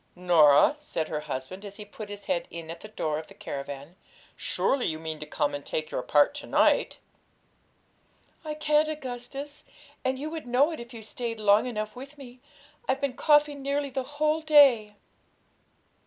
'Norah,' said her husband, as he put his head in at the door of the caravan, 'surely you mean to come and take your part to night?' 'I can't, Augustus, and you would know it, if you stayed long enough with me; I've been coughing nearly the whole day.'